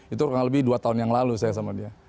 itu kurang lebih dua tahun yang lalu saya sama dia